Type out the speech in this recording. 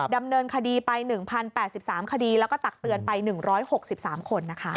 ดำเนินคดีไป๑๐๘๓คดีแล้วก็ตักเตือนไป๑๖๓คนนะคะ